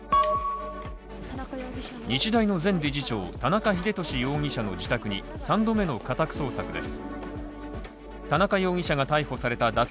日大の前理事長田中英寿容疑者の自宅に３度目の家宅捜索です。